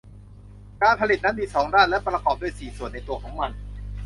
การผลิตนั้นมีสองด้านและประกอบด้วยสี่ส่วนในตัวของมัน